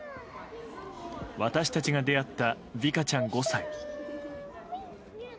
私たちが出会ったヴィカちゃん、５歳。